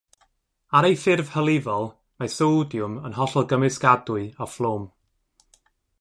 Ar ei ffurf hylifol, mae sodiwm yn hollol gymysgadwy â phlwm.